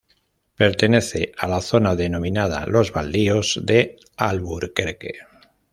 Pertenece a la zona denominada "Los Baldíos de Alburquerque".